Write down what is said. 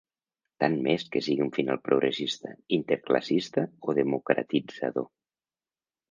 Tant m'és que sigui un final progressista, interclassista o democratitzador.